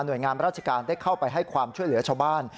โดยงานราชการได้เข้าไปให้ความช่วยเหลือชาวบ้าน